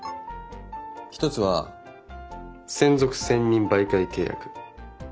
１つは「専属専任媒介契約」。